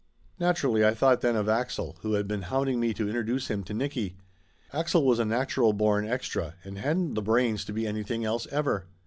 And naturally I thought then of Axel, who had been hounding me to introduce him to Nicky. Axel was a natural born extra, and hadn't the brains to be any thing else ever.